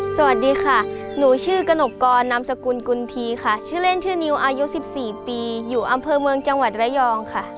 สวัสดีค่ะหนูชื่อกระหนกกรนามสกุลกุลทีค่ะชื่อเล่นชื่อนิวอายุ๑๔ปีอยู่อำเภอเมืองจังหวัดระยองค่ะ